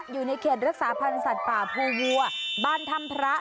อยู่ในเขตรักษาพันธ์สัตว์ป่าภูวัวบ้านถ้ำพระ